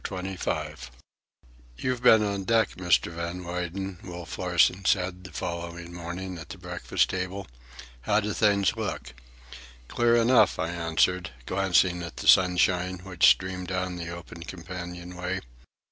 CHAPTER XXV "You've been on deck, Mr. Van Weyden," Wolf Larsen said, the following morning at the breakfast table, "How do things look?" "Clear enough," I answered, glancing at the sunshine which streamed down the open companion way.